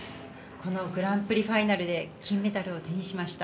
このグランプリファイナルで金メダルを手にしました。